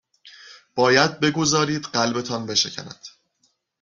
باید بگذارید قلبتان بشکند